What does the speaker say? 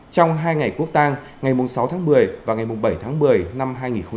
trong hai ngày quốc tang ngày sáu tháng một mươi và ngày bảy tháng một mươi năm hai nghìn một mươi chín